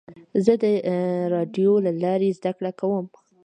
زه د راډیو له لارې زده کړه کوم.